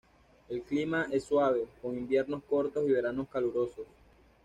El clima es suave, con inviernos cortos y veranos calurosos.